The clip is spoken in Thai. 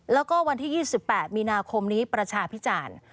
แล้วก็วันที่๒๘มีนาคมนี้ประชาพิจารณ์